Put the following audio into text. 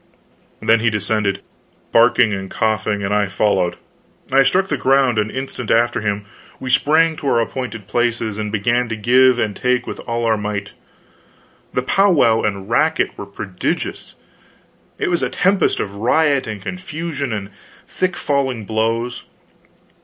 Then he descended, barking and coughing, and I followed. I struck the ground an instant after him; we sprang to our appointed places, and began to give and take with all our might. The powwow and racket were prodigious; it was a tempest of riot and confusion and thick falling blows.